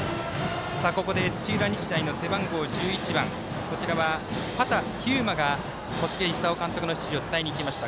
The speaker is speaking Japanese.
ここで土浦日大の背番号１１番畑飛雄馬が小菅勲監督の指示を伝えにいきました。